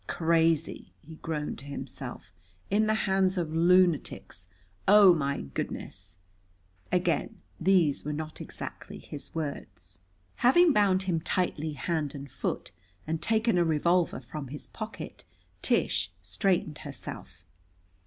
"Crazy!" he groaned to himself. "In the hands of lunatics! Oh, my goodness!" Again these were not exactly his words. Having bound him tightly, hand and foot, and taken a revolver from his pocket, Tish straightened herself.